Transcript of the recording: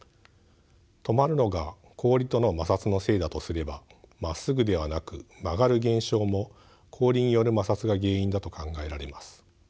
止まるのが氷との摩擦のせいだとすればまっすぐではなく曲がる現象も氷による摩擦が原因だと考えられます。